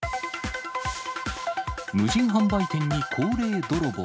無人販売店に高齢泥棒。